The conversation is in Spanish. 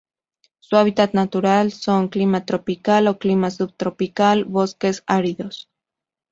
Su hábitat natural son: clima tropical o clima subtropical, bosques áridos.